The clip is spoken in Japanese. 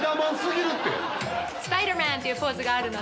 スパイダーマンっていうポーズがあるので。